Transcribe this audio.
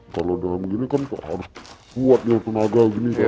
kalau dalam begini kan harus kuat ya tenaga